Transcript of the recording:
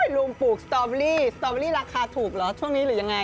ลุงปลูกสตอเบอรี่สตอเบอรี่ราคาถูกเหรอช่วงนี้หรือยังไง